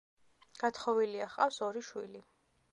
გათხოვილია, ჰყავს ორი შვილი.